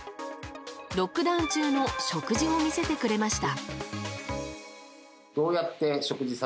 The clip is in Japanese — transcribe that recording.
ロックダウン中の食事を見せてくれました。